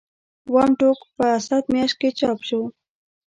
اووم ټوک په اسد میاشت کې چاپ شو.